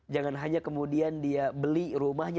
jangan hanya kemudian dia beli rumahnya